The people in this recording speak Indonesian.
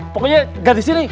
pokoknya gak disini